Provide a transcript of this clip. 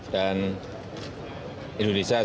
dan indonesia siap